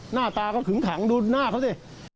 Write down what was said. หน้าตาเขาขึงขังดูหน้าเขาสิ